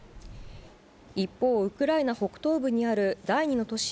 一方、ウクライナ北東部にある第２の都市